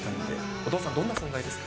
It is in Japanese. お父さん、どんな存在ですか？